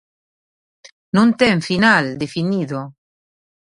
"Non ten final definido"."